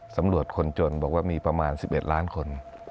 สำรวจคนจนบอกว่ามีประมาณ๑๑ล้านคน